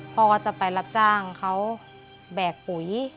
พ่อก็จะไปรับจ้างเขาแบกปุ๋ย